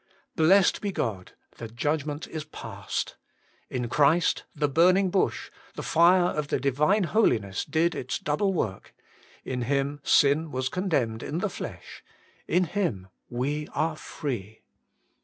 Blessed be God ! the judgment is past. In Christ, the burning bush, the fire of the Divine Holiness did its double work : in Him sin was con demned in the flesh ; in Him we are free.